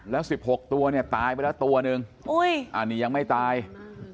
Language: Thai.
แล้วสิบหกตัวเนี้ยตายไปแล้วตัวหนึ่งอุ๊ยอันนี้ยังไม่ตายมากน้อย